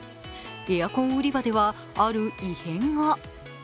エアコン売り場ではある異変が。